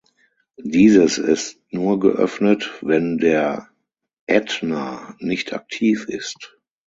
Dieses ist nur geöffnet, wenn der Ätna nicht aktiv ist.